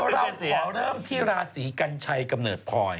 เราขอเริ่มที่ราศีกัญชัยกำเนิดพลอย